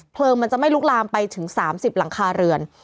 มันจะไม่ลุกลามไปถึง๓๐หลังคาเรือน